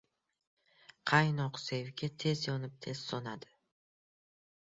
• Qaynoq sevgi tez yonib, tez so‘nadi.